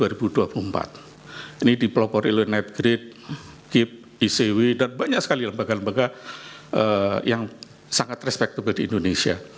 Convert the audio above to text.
ini dipelopori oleh net grade kip icw dan banyak sekali lembaga lembaga yang sangat respectable di indonesia